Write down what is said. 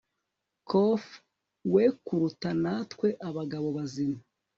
Quoth we kuruta natwe abagabo bazima